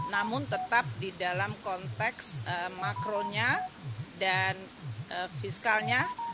namun tetap di dalam konteks makronya dan fiskalnya